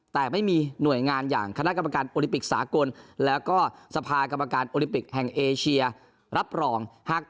แต่ไม่มีหน่วยงานอย่างคณะกรรมการโอลิปิกสากลแล้วก็สภากรรมการโอลิมปิกแห่งเอเชียรับรอง